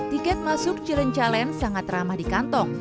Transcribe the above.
tiket masuk cilen challenge sangat ramah di kantong